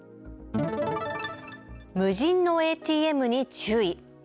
無人のＡＴＭに注意。